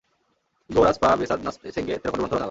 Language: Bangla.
গো-রাম্স-পা-ব্সোদ-নাম্স-সেং-গে তেরো খন্ড গ্রন্থ রচনা করেন।